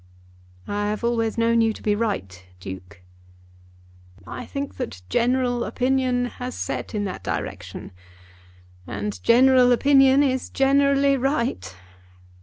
"I have always known you to be right, Duke." "I think that general opinion has set in that direction, and general opinion is generally right.